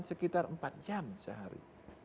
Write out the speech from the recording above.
sekitar empat jam sehari